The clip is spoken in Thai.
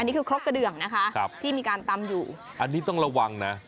นี่คือครกกระเดืองนะคะที่มีการตำอยู่อันนี้ต้องระวังนะ